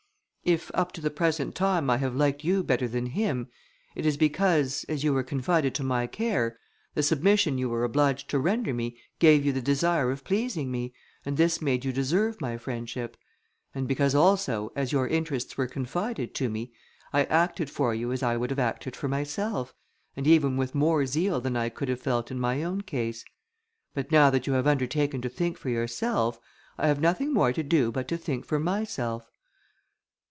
"If up to the present time I have liked you better than him, it is because, as you were confided to my care, the submission you were obliged to render me gave you the desire of pleasing me, and this made you deserve my friendship; and because also, as your interests were confided to me, I acted for you as I would have acted for myself, and even with more zeal than I could have felt in my own case. But now that you have undertaken to think for yourself, I have nothing more to do but to think for myself."